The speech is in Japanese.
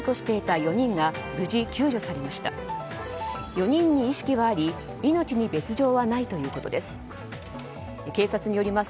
４人に意識はあり命に別条はないということです。